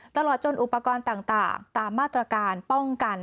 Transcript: ตลอดจนอุปกรณ์ต่างตามมาตรการป้องกัน